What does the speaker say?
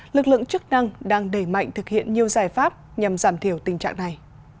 lực lượng chức năng đang đẩy mạnh thực hiện nhiều giải pháp nhằm giảm thiểu tình trạng này